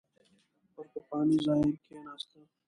پر پخواني ځای کېناسته.